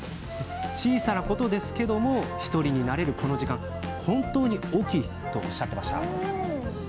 小さなことですが１人になれる、この時間は本当に大きいとおっしゃってました。